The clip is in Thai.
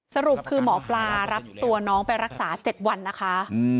สรุปคือหมอปลารับตัวน้องไปรักษา๗วันนะคะ